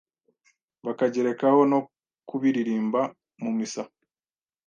bakagerekaho no kubiririmba mu misa,